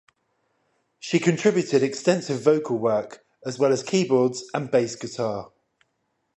She contributed extensive vocal work as well as keyboards and bass guitar.